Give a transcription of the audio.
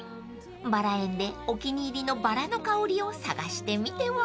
［バラ園でお気に入りのバラの香りを探してみては？］